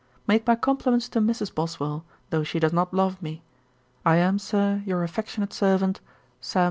'Make my compliments to Mrs. Boswell, though she does not love me. 'I am, Sir, 'Your affectionate servant, 'SAM.